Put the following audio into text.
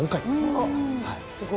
おっすごい。